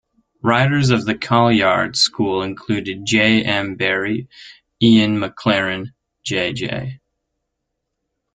Writers of the Kailyard school included J. M. Barrie, Ian Maclaren, J. J.